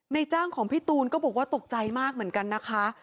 จ้างของพี่ตูนก็บอกว่าตกใจมากเหมือนกันนะคะ